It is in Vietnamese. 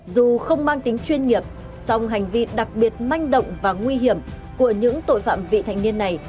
dù không mang tính chuyên nghiệp song hành vi đặc biệt manh động và nguy hiểm của những tội phạm vị thành niên này